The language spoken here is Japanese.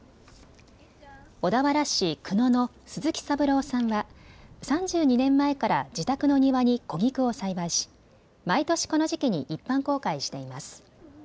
小田原市久野の鈴木三郎さんは３２年前から自宅の庭に小菊を栽培し毎年この時期に一般公開しています。